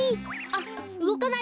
あっ！